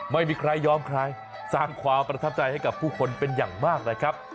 ไม่ยอมใครสร้างความประทับใจให้กับผู้คนเป็นอย่างมากนะครับ